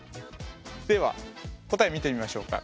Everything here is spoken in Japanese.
では答え見てみましょうか。